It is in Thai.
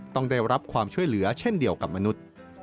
ต้องได้รับความช่วยเหลือเช่นเดียวกับมนุษย์